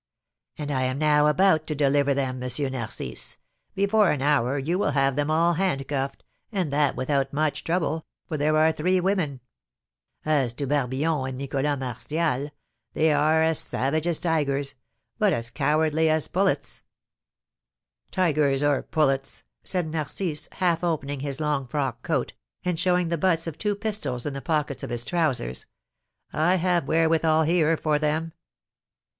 "And I am now about to deliver them, M. Narcisse; before an hour you will have them all handcuffed, and that without much trouble, for there are three women. As to Barbillon and Nicholas Martial, they are as savage as tigers, but as cowardly as pullets." "Tigers or pullets," said Narcisse, half opening his long frock coat, and showing the butts of two pistols in the pockets of his trousers, "I have wherewithal here for them."